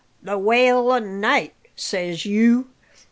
The wail o' night, says you.